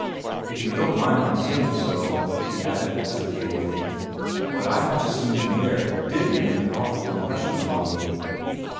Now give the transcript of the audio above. "If you don't mind my saying so," he added hesitatingly, "what I have just seen in there DID make a very powerful impression upon me."